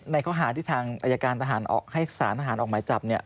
ในข้อหาที่ทางอายการทหารให้สารทหารออกหมายจับ